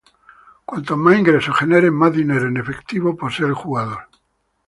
Cuantos más ingresos generen, más dinero en efectivo posee el jugador.